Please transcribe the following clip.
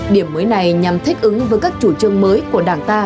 điểm mới này nhằm thích ứng với các chủ trương mới của đảng ta